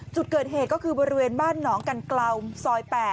จุดเกิดเหตุก็คือบริเวณบ้านหนองกันเกลาซอย๘